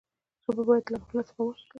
ژبه باید له غفلت څخه وساتل سي.